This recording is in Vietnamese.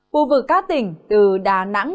phù vực các tỉnh từ đà nẵng